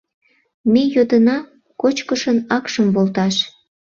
Ме йодына кочкышын акшым волташ!